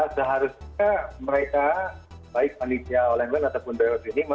seharusnya mereka baik anitia oleglan ataupun bwf ini